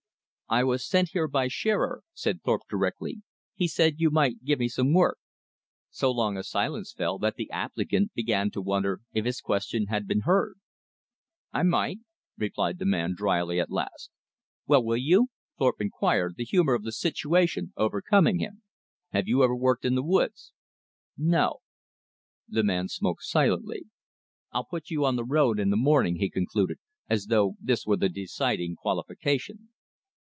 "I was sent here by Shearer," said Thorpe directly; "he said you might give me some work." So long a silence fell that the applicant began to wonder if his question had been heard. "I might," replied the man drily at last. "Well, will you?" Thorpe inquired, the humor of the situation overcoming him. "Have you ever worked in the woods?" "No." The man smoked silently. "I'll put you on the road in the morning," he concluded, as though this were the deciding qualification.